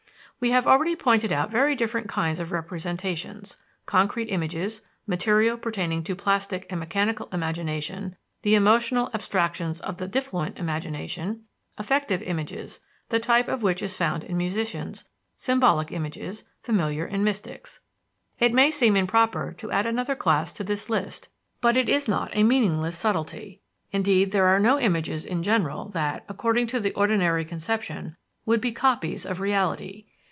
We have already pointed out very different kinds of representations concrete images, material pertaining to plastic and mechanical imagination; the emotional abstractions of the diffluent imagination; affective images, the type of which is found in musicians; symbolic images, familiar in mystics. It may seem improper to add another class to this list, but it is not a meaningless subtlety. Indeed, there are no images in general that, according to the ordinary conception, would be copies of reality.